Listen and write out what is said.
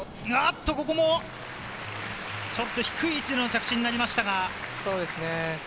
ここもちょっと低い位置での着地になりました。